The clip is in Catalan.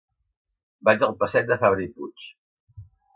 Vaig al passeig de Fabra i Puig.